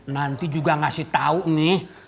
nanti juga ngasih tau nih